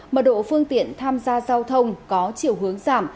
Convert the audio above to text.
mật độ phương tiện tham gia giao thông có chiều hướng giảm